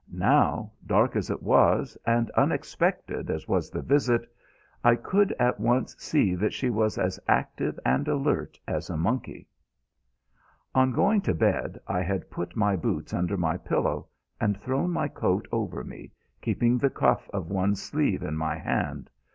Now, dark as it was, and unexpected as was the visit, I could at once see that she was as active and alert as a monkey. On going to bed I had put my boots under my pillow, and thrown my coat over me, keeping the cuff of one sleeve in my hand.